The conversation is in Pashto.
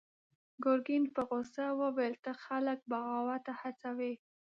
ګرګين په غوسه وويل: ته خلک بغاوت ته هڅوې!